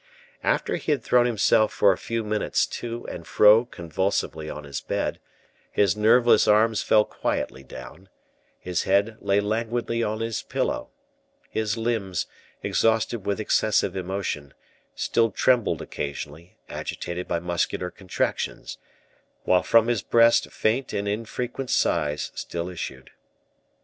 After he had thrown himself for a few minutes to and fro convulsively on his bed, his nerveless arms fell quietly down; his head lay languidly on his pillow; his limbs, exhausted with excessive emotion, still trembled occasionally, agitated by muscular contractions; while from his breast faint and infrequent sighs still issued.